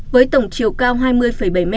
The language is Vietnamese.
với tổng chiều cao hai mươi bảy m